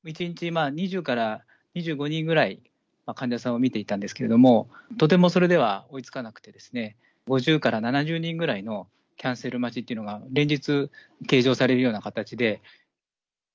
１日２０から２５人ぐらい、患者さんを診ていたんですけれども、とても、それでは追いつかなくてですね、５０から７０人ぐらいのキャンセル待ちっていうのが、連日、計上されるような形で。